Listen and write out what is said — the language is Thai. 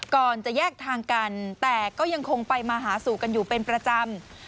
ก่อนจะแยกทางกันแต่ก็ยังคงไปมาหาสู่กันอยู่เป็นประจำ